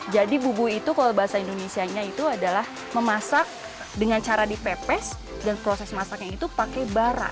jadi bubui itu kalau bahasa indonesia itu adalah memasak dengan cara dipepes dan proses masaknya itu pakai bara